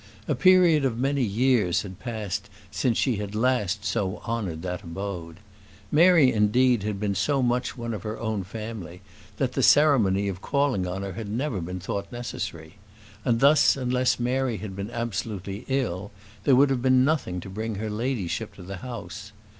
A period of many years had passed since she had last so honoured that abode. Mary, indeed, had been so much one of her own family that the ceremony of calling on her had never been thought necessary; and thus, unless Mary had been absolutely ill, there would have been nothing to bring her ladyship to the house.